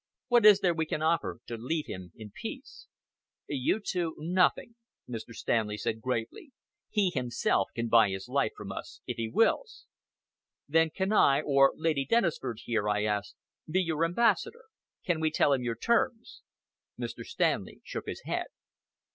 What is there we can offer you to leave him in peace?" "You two nothing," Mr. Stanley said gravely. "He himself can buy his life from us, if he wills." "Then can I or Lady Dennisford here," I asked, "be your ambassador? Can we tell him your terms?" Mr. Stanley shook his head.